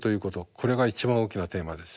これが一番大きなテーマです。